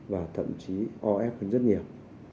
và thậm chí o ép rất nhiều